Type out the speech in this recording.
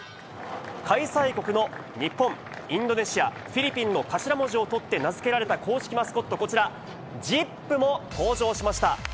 開催国の日本、インドネシア、フィリピンの頭文字を取って名付けられた公式マスコット、こちら、ＪＩＰも登場しました。